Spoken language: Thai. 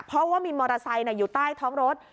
เพราะว่ามีมอเตอร์ไซค์อยู่ใต้ท้องรถ